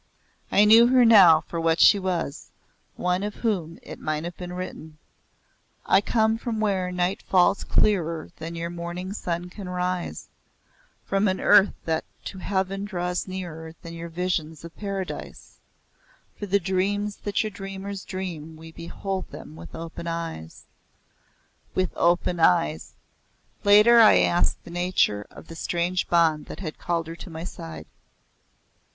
I knew her now for what she was, one of whom it might have been written; "I come from where night falls clearer Than your morning sun can rise; From an earth that to heaven draws nearer Than your visions of Paradise, For the dreams that your dreamers dream We behold them with open eyes." With open eyes! Later I asked the nature of the strange bond that had called her to my side.